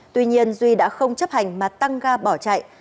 tuy nhiên duy đã không chấp hành mà tăng ga bỏ chạy